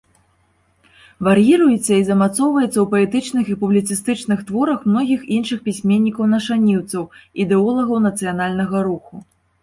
Вар'іруецца і замацоўваецца ў паэтычных і публіцыстычных творах многіх іншых пісьменнікаў-нашаніўцаў, ідэолагаў нацыянальнага руху.